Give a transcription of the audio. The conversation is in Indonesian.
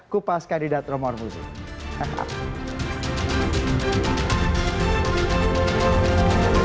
kupas kandidat romor musik